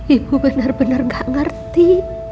ibu benar benar gak ngerti